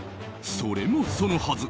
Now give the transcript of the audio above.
それもそのはず。